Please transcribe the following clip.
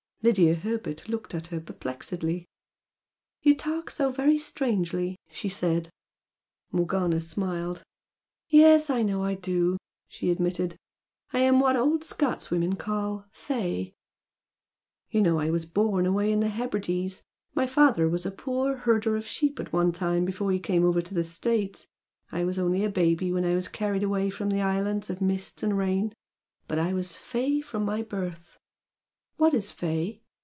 Lydia Herbert looked at her perplexedly. "You talk so very strangely!" she said. Morgana smiled. "Yes, I know I do!" she admitted "I am what old Scotswomen call 'fey'! You know I was born away in the Hebrides, my father was a poor herder of sheep at one time before he came over to the States. I was only a baby when I was carried away from the islands of mist and rain but I was 'fey' from my birth " "What is fey?"